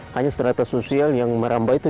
hanya serata sosial yang merambah itu